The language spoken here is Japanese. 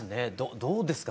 どどうですか？